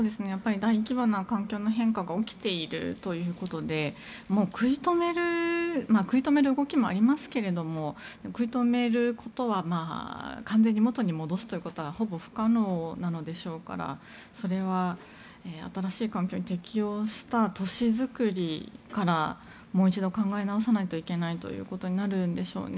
大規模な環境の変化が起きているということで食い止める動きもありますけれども食い止めることは完全に元に戻すということはほぼ不可能なのでしょうからそれは新しい環境に適応した都市づくりからもう一度考え直さないといけないということになるんでしょうね。